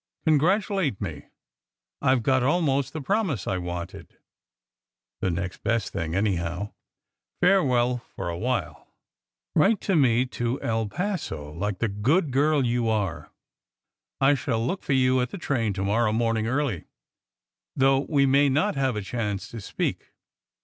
Congratulate me. I ve got almost the promise 1 wanted. The next best thing, anyhow. Farewell for a while. Write to me to El Paso like the good girl you are. I shall look for you at the train to morrow morning early. SECRET HISTORY 81 though we may not have a chance to speak.